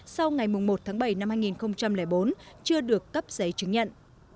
sau ngày một tháng bảy năm hai nghìn bốn chưa được cấp giấy chứng nhận